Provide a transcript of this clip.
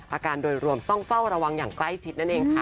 อาการโดยรวมต้องเฝ้าระวังอย่างใกล้ชิดนั่นเองค่ะ